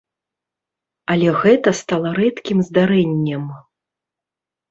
Але гэта стала рэдкім здарэннем.